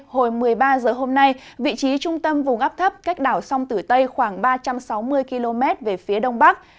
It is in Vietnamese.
hồi một mươi ba h hôm nay vị trí trung tâm vùng áp thấp cách đảo sông tử tây khoảng ba trăm sáu mươi km về phía đông bắc